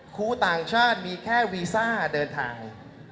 ครูต่างชาติมีแค่วีซ่าเดินทาง